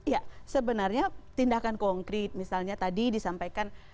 ya sebenarnya tindakan konkret misalnya tadi disampaikan